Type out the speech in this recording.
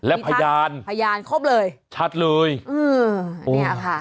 และพยานพยานครบเลยชัดเลยอืมเนี่ยค่ะ